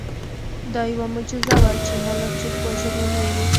دا یوه معجزه وه چې ما لا څوک وژلي نه وو